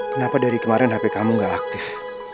kenapa dari kemarin hp kamu gak aktif